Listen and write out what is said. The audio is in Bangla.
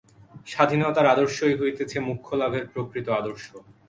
স্বাধীনতার আদর্শই হইতেছে মোক্ষলাভের প্রকৃত আদর্শ।